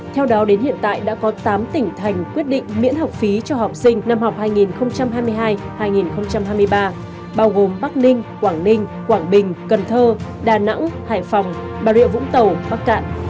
theo đó đến hiện tại đã có tám tỉnh thành quyết định miễn học phí cho học sinh năm học hai nghìn hai mươi hai hai nghìn hai mươi ba bao gồm bắc ninh quảng ninh quảng bình cần thơ đà nẵng hải phòng bà rịa vũng tàu bắc cạn